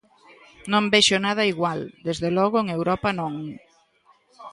Non vexo nada igual, desde logo en Europa non.